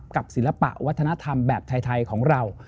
ศิลปะวัฒนธรรมแบบไทยของเรา